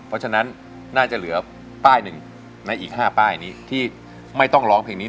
เพราะฉะนั้นน่าจะเหลือป้ายหนึ่งในอีก๕ป้ายนี้ที่ไม่ต้องร้องเพลงนี้